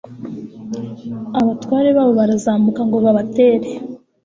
abatware babo barazamuka ngo babatere